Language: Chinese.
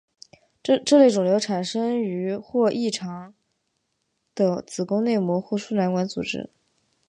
这类肿瘤产生于或异常的子宫内膜或输卵管组织。